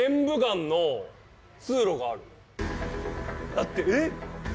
だってえっ？